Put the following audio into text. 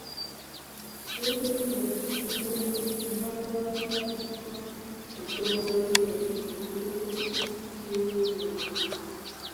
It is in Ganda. George William Ssembogo omwami wa Kabaka atwala eggomboolola eno, aloopedde Katikkiro w’ebyalo.